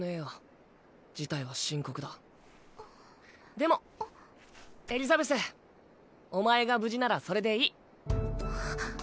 でもエリザベスお前が無事ならそれでいい。